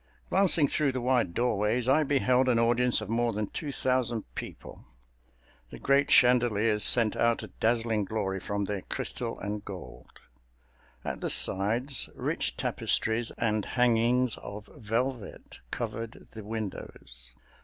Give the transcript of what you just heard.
Glancing through the wide doorways, I beheld an audience of more than two thousand people. The great chandeliers sent out a dazzling glory from their crystal and gold. At the sides, rich tapestries and hangings of velvet covered the windows.